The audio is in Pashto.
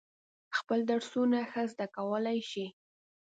خپل درسونه ښه زده کولای شي.